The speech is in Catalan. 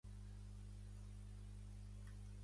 Al costat nord es pot veure el "Caerdion Syncline".